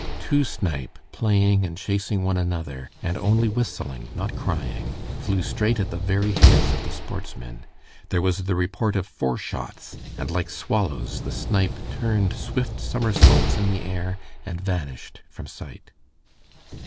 Two snipe, playing and chasing one another, and only whistling, not crying, flew straight at the very heads of the sportsmen. There was the report of four shots, and like swallows the snipe turned swift somersaults in the air and vanished from sight.